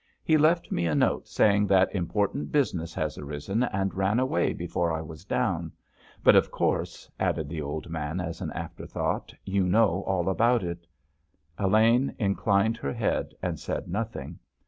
He left me a note saying that important business has arisen, and ran away before I was down. But of course," added the old man as an afterthought, "you know all about it." Elaine inclined her head, and said nothing.